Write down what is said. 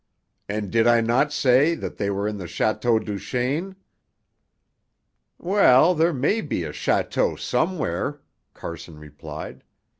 And did I not say that they were in the Château Duchaine?" "Well, there may be a château, somewhere," Carson replied.